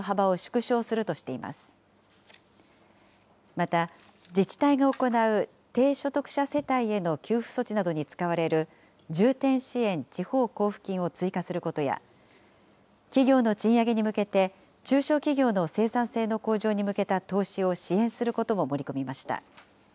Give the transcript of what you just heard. また、自治体が行う低所得者世帯への給付措置などに使われる重点支援地方交付金を追加することや、企業の賃上げに向けて、中小企業の生産性の向上に向けた投資を支援することも盛り込みました。